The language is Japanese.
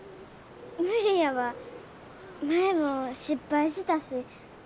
無理やわ前も失敗したし。